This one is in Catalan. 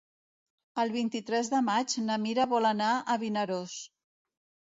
El vint-i-tres de maig na Mira vol anar a Vinaròs.